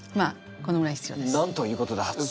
このぐらい必要です。